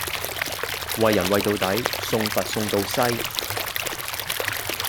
為人為到底，送佛送到西。